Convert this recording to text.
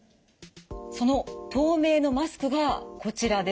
その透明のマスクがこちらです。